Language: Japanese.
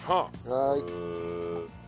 はい。